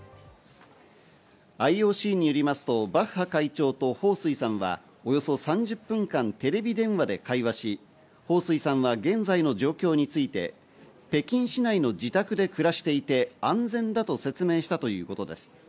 ＩＯＣによりますとバッハ会長とホウ・スイさんはおよそ３０分間テレビ電話で会話し、ホウ・スイさんは現在の状況について、北京市内の自宅で暮らしていて、安全だと説明したということです。